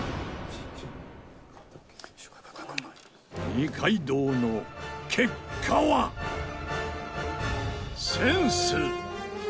二階堂の結果はセンス。